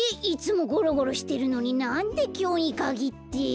いつもゴロゴロしてるのになんできょうにかぎって。